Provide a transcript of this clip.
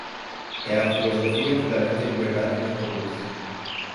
É a filosofia que garante a liberdade de todos.